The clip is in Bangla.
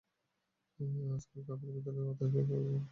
আজকাল কাপের ভেতরের বাতাস বের করার জন্য ভ্যাকুয়াম পাম্প ব্যবহার করা হয়।